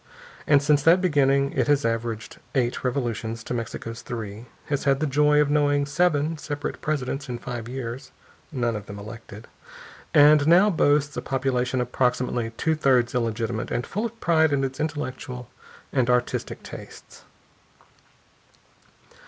And since that beginning it has averaged eight revolutions to Mexico's three, has had the joy of knowing seven separate presidents in five years none of them elected and now boasts a population approximately two thirds illegitimate and full of pride in its intellectual and artistic tastes.